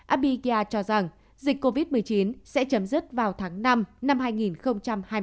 abdua cho rằng dịch covid một mươi chín sẽ chấm dứt vào tháng năm năm hai nghìn hai mươi bốn